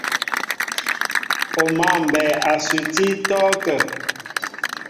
O mǎ mbɛɛ a suti ítɔ́kə́ə́.